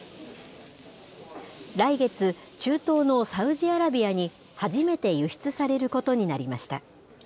来月、中東のサウジアラビアに初めて輸出されることになりました。